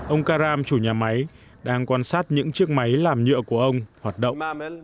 ông karam chủ nhà máy đang quan sát những chiếc máy làm nhựa của ông hoạt động